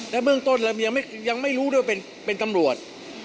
เบื้องต้นเรายังไม่รู้ด้วยว่าเป็นตำรวจ